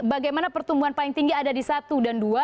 bagaimana pertumbuhan paling tinggi ada di satu dan dua